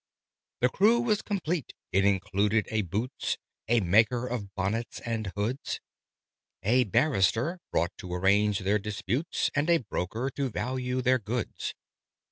The crew was complete: it included a Boots A maker of Bonnets and Hoods A Barrister, brought to arrange their disputes And a Broker, to value their goods.